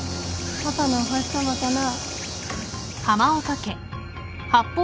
パパのお星さまかな？